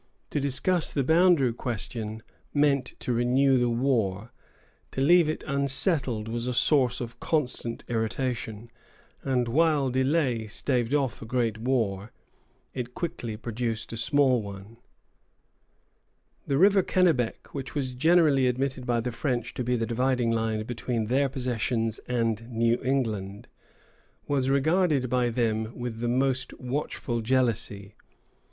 To discuss the boundary question meant to renew the war; to leave it unsettled was a source of constant irritation; and while delay staved off a great war, it quickly produced a small one. The river Kennebec, which was generally admitted by the French to be the dividing line between their possessions and New England, was regarded by them with the most watchful jealousy.